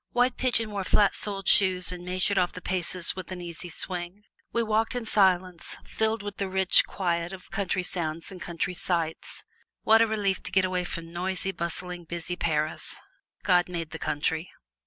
White Pigeon wore flat soled shoes and measured off the paces with an easy swing. We walked in silence, filled with the rich quiet of country sounds and country sights. What a relief to get away from noisy, bustling, busy Paris! God made the country!